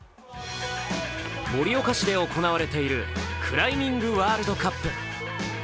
盛岡市で行われているクライミングワールドカップ。